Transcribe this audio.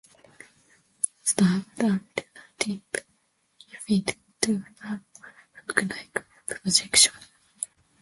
Most have the antenna tip modified into a narrow hook-like projection.